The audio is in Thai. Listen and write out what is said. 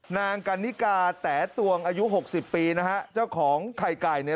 นางกันนิกาแต๋ตวงอายุหกสิบปีนะฮะเจ้าของไข่ไก่เนี่ย